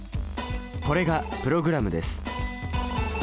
これがプログラムです。